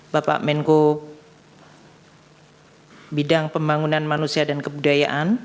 bapak menko bidang pembangunan manusia dan kebudayaan